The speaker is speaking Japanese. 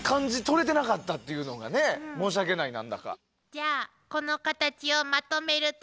じゃあこのカタチをまとめると。